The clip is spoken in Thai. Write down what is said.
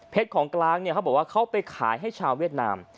เพชรของกลางเขาบอกว่าเขาไปขายให้ชาวเวียดนาม